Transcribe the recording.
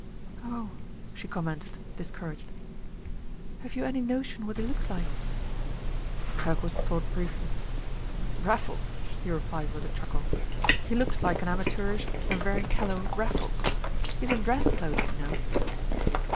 "Oh," she commented, discouraged. "Have you any notion what he looks like?" Kirkwood thought briefly. "Raffles," he replied with a chuckle. "He looks like an amateurish and very callow Raffles. He's in dress clothes, you know."